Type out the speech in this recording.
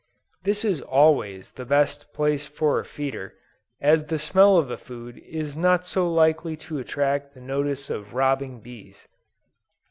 This is always the best place for a feeder, as the smell of the food is not so likely to attract the notice of robbing bees.